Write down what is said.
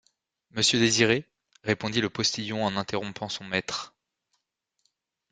Monsieur Désiré? répondit le postillon en interrompant son maître.